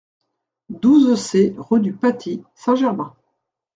douze C rue du Patis Saint-Germain